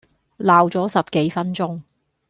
鬧左十幾分鐘